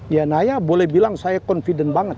ya naya boleh bilang saya confident banget